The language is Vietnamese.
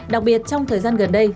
đặc biệt trong thời gian gần đây